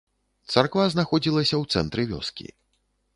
Царква знаходзілася ў цэнтры вёскі.